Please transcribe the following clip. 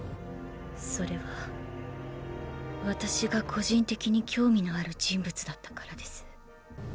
それは私が個人的に興味のある人物だったからです。